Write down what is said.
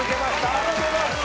ありがとうございます！